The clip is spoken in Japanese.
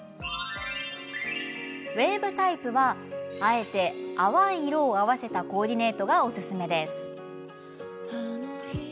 ウエーブタイプはあえて淡い色を合わせたコーディネートがおすすめです。